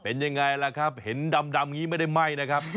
เป็นยังไงล่ะครับเห็นดำอย่างนี้ไม่ได้ไหม้นะครับ